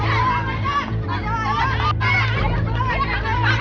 berarti gak sakwar